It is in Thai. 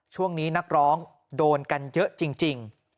ช่วงนี้นักร้องโดนกันเยอะจริง